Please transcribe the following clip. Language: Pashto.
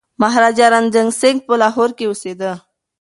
مهاراجا رنجیت سنګ په لاهور کي اوسېده.